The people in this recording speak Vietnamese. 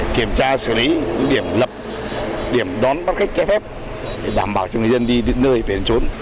để kiểm tra xử lý các điểm lập điểm đón bắt khách trái phép để đảm bảo cho người dân đi đến nơi về trốn